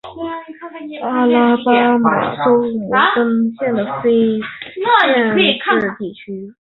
胡拉科是一个位于美国阿拉巴马州摩根县的非建制地区。